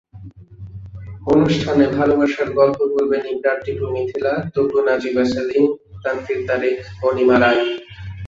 অনুষ্ঠানে ভালোবাসার গল্প বলবেন ইবরার টিপু-মিথিলা, তপু-নাজিবা সেলিম, তানভীর তারেক-অনিমা রায়।